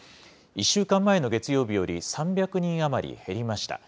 １週間前の月曜日より３００人余り減りました。